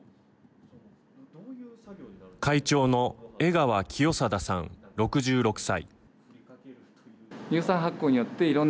会長の江川清貞さん、６６歳。